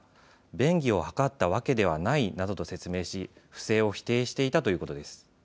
便宜を図ったわけではないなどと説明し不正を否定していたということです。